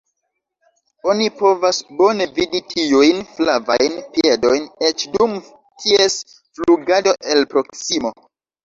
Oni povas bone vidi tiujn flavajn piedojn eĉ dum ties flugado, el proksimo.